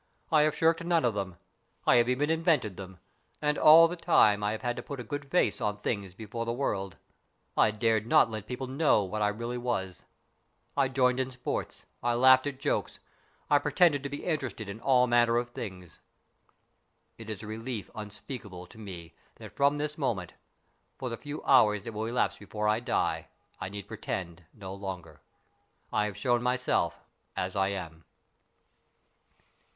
I have shirked none of them. I have even invented them. And all the time I have had to put a good face on things before the world. I dared not let people know what I really was. I joined in sports, I laughed at jokes, I pretended to be interested in all manner of things. It is a relief unspeakable to me that from this moment, for the few hours that will elapse before I die, I need pretend no longer. I have shown myself as I am."